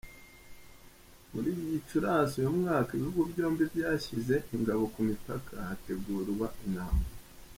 Muri Gicurasi uyu mwaka, ibihugu byombi byashyize ingabo ku mipaka, hategurwa intambara.